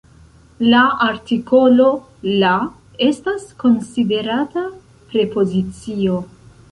La artikolo "la" estas konsiderata "prepozicio".